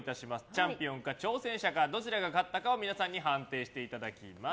チャンピオンか挑戦者かどちらが勝ったかを皆さんに判定していただきます。